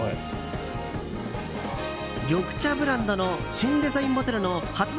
緑茶ブランドの新デザインボトルの発売